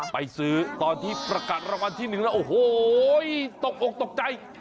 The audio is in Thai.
ไปซื้อตอนที่ประกาศรางวัลที่หนึ่งแล้วโอ้โหตกอกตกใจ